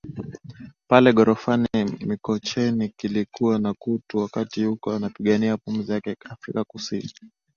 pale ghorofani mikocheni kilikuwa na kutu wakati yuko anapigania pumzi yake Afrika kusini